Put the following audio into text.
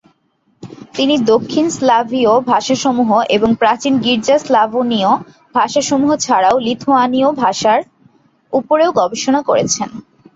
তিনি দক্ষিণ স্লাভীয় ভাষাসমূহ এবং প্রাচীন গির্জা স্লাভোনীয় ভাষাসমূহ ছাড়াও লিথুয়ানীয় ভাষার উপরেও গবেষণা করেন।